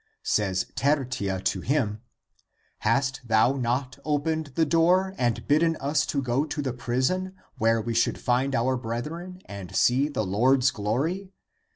" Says Tertia to him, " Hast thou not opened the door and bidden us to go to the prison, where we should find our brethren and see the Lord's glory?